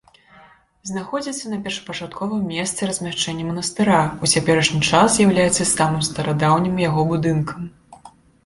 Знаходзіцца на першапачатковым месцы размяшчэння манастыра, у цяперашні час з'яўляецца самым старадаўнім яго будынкам.